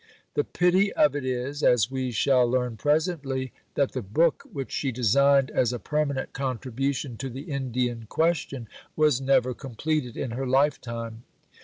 The pity of it is, as we shall learn presently, that the book which she designed as a permanent contribution to the Indian question was never completed in her life time.